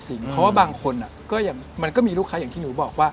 เพราะว่าบางคนก็อย่างมันก็มีลูกค้าอย่างที่หนูบอกว่า